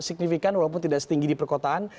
signifikan walaupun tidak setinggi di perkotaan